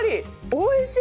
おいしい！